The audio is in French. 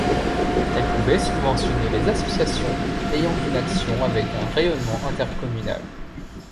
Elle pouvait subventionner les associations ayant une action avec un rayonnement intercommunal.